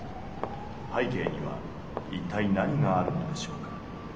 背景には一体何があるのでしょうか？